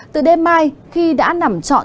từ đêm mai khi đã nằm trọn